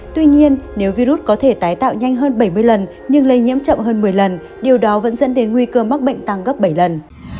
tuy nhiên nếu virus có thể tái tạo nhanh hơn bảy mươi lần nhưng lây nhiễm chậm hơn một mươi lần điều đó vẫn dẫn đến nguy cơ mắc bệnh tăng gấp bảy lần